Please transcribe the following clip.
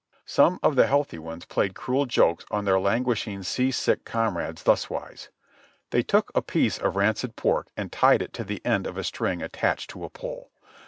Some of the healthy ones played cruel jokes on their languish ing sea sick comrades thus wise : they took a piece of rancid pork and tied it to the end of a string attached to a pole.